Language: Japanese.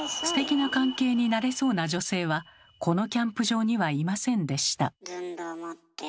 ステキな関係になれそうな女性はこのキャンプ場にはいませんでした。